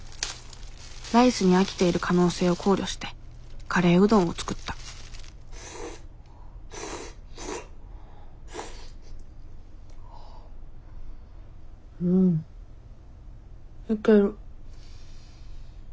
ライスに飽きている可能性を考慮してカレーうどんを作ったうんいける。